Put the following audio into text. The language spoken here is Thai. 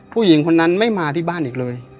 ผู้หญิงคนนั้นไม่มาที่บ้านอีกเลย